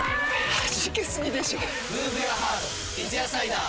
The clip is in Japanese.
はじけすぎでしょ『三ツ矢サイダー』